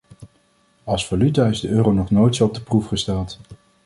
Als valuta is de euro nog nooit zo op de proef gesteld.